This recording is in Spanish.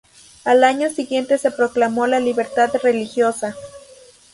Al año siguiente se proclamó la libertad religiosa.